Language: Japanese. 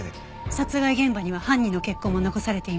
殺害現場には犯人の血痕も残されていました。